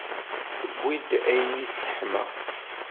Tewwi-d ayen i d-tesseḥma.